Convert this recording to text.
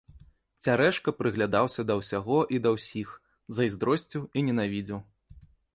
Цярэшка прыглядаўся да ўсяго і да ўсіх, зайздросціў і ненавідзеў.